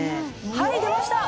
はい出ました！